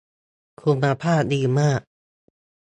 คุณภาพดีมาก